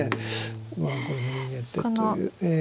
まあこれも逃げてという。